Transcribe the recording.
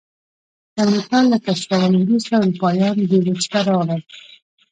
د امریکا له کشفولو وروسته اروپایان دې وچې ته راغلل.